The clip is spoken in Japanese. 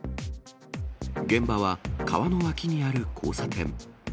現場は川の脇にある交差点。